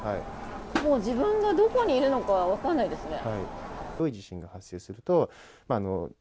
自分がどこにいるのか分からないですね。